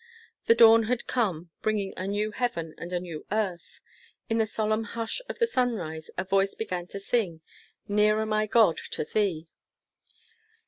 The dawn had come, bringing a new heaven and a new earth. In the solemn hush of the sunrise, a voice began to sing, "Nearer, my God, to thee."